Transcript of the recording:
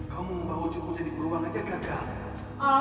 kau mau membawa cukup jadi perubahan saja kak